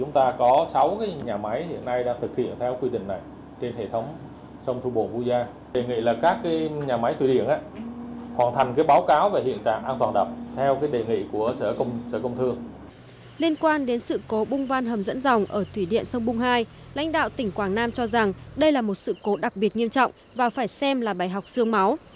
trong khi đó bông văn hầm dẫn dòng ở thủy điện sông bung hai lãnh đạo tỉnh quảng nam cho rằng đây là một sự cố đặc biệt nghiêm trọng và phải xem là bài học sương máu